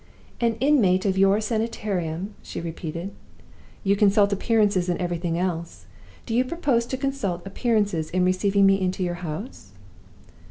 "An inmate of your Sanitarium?" she repeated. "You consult appearances in everything else; do you propose to consult appearances in receiving me into your house?"